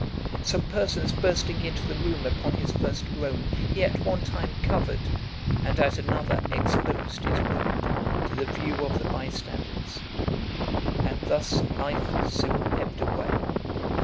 Some persons bursting into the room upon his first groan, he at one time covered, and at another exposed his wound to the view of the bystanders, and thus life soon ebbed away.